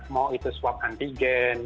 mau itu swab antigen